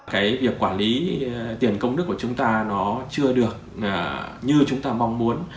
cái việc quản lý tiền công đức của chúng ta nó chưa được như chúng ta mong muốn